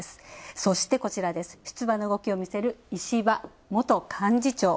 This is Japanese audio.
そして、出馬の動きを見せる石破元幹事長。